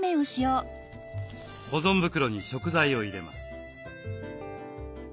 保存袋に食材を入れます。